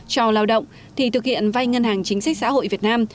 cho lao động thì thực hiện vay ngân hàng chính sách xã hội việt nam